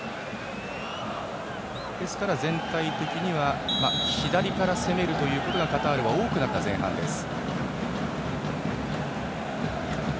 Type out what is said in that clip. ですから全体的には左から攻めるということがカタールは多くなっていた前半です。